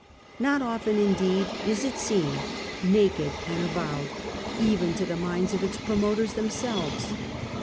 Not often, indeed, is it seen, naked and avowed, even in the minds of its promoters them selves.